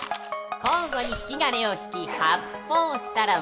［交互に引き金を引き発砲したら負け］